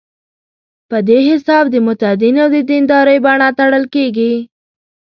په دې حساب د متدینو د دیندارۍ بڼه تړل کېږي.